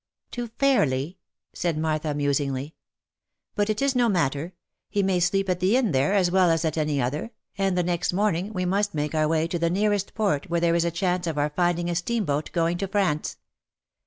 "To Fairly ?" said Martha, musingly. "But it is no matter — he may sleep at the inn there as well as at any other, and the next morn ing we must make our way to the nearest port where there is a chance of our finding a steam boat going to France.